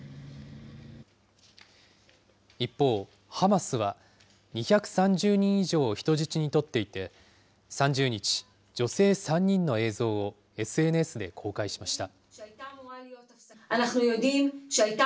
一方、ハマスは２３０人以上を人質に取っていて、３０日、女性３人の映像をＳＮＳで公開しました。